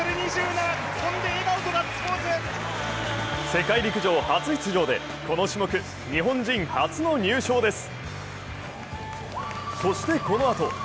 世界陸上初出場でこの種目日本人初の入省です。